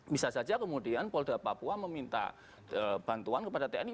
bisa saja kemudian polda papua meminta bantuan kepada tni